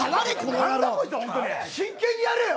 真剣にやれよ！